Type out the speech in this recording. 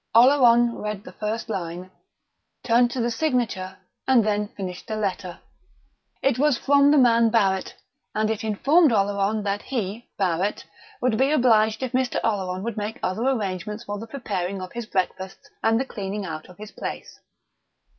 Oleron read the first line, turned to the signature, and then finished the letter. It was from the man Barrett, and it informed Oleron that he, Barrett, would be obliged if Mr. Oleron would make other arrangements for the preparing of his breakfasts and the cleaning out of his place.